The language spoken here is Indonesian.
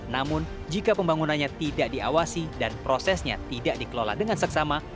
namun jika pembangunannya tidak diawasi dan prosesnya tidak dikelola dengan seksama